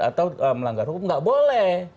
atau melanggar hukum nggak boleh